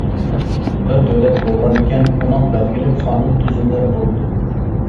بىر دۆلەت بولغانىكەن ئۇنىڭ بەلگىلىك قانۇن-تۈزۈملىرى بولىدۇ.